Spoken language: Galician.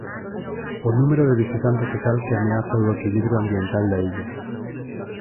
O número de visitantes é tal que ameaza o equilibrio ambiental da illa.